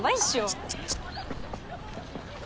ちょちょっ。